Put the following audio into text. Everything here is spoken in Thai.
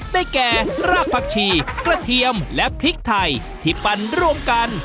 ได้แก่รากผักชีกระเทียมและพริกไทยที่ปั่นร่วมกัน